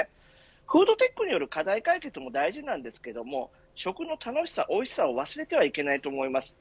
フードテックによる課題解決も大事ですが食の楽しさ、おいしさを忘れてはいけないと思います。